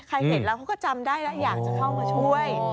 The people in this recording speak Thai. ใครเห็นเราก็จำได้แล้วอยากจะเข้ามาช่วย